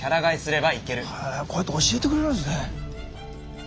へえこうやって教えてくれるんですね。